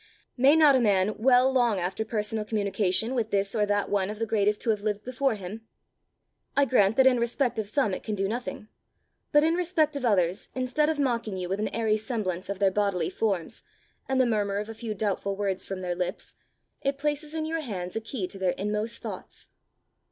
May not a man well long after personal communication with this or that one of the greatest who have lived before him? I grant that in respect of some it can do nothing; but in respect of others, instead of mocking you with an airy semblance of their bodily forms, and the murmur of a few doubtful words from their lips, it places in your hands a key to their inmost thoughts.